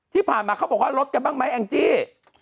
ที่ผ่านมาเขาบอกว่าลดกันบ้างไหมแองจี้